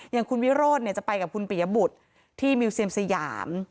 อย่างคุณวิโรธจะไปกับคุณปิยบุตรที่มิวเซียมสยาม